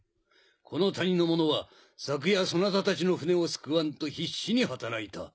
この谷の者は昨夜そなたたちの船を救わんと必死に働いた。